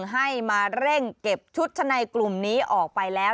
ให้มาเร่งเก็บชุดชะในกลุ่มนี้ออกไปแล้ว